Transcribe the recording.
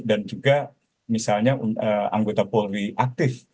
dan juga misalnya anggota polri aktif